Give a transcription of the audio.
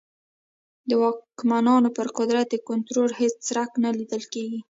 د واکمنانو پر قدرت د کنټرول هېڅ څرک نه لیدل کېږي.